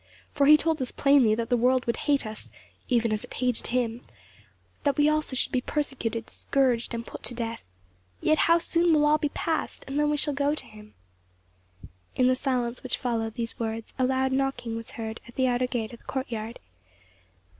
for he told us plainly that the world would hate us, even as it hated him; that we also should be persecuted, scourged, and put to death. Yet how soon will all be past, and then we shall go to him." In the silence which followed these words a loud knocking was heard at the outer gate of the courtyard.